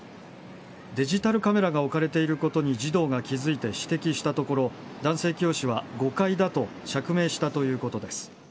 デジタルカメラが置かれていることに児童が気付いて指摘したところ男性教師は誤解だと釈明したということです。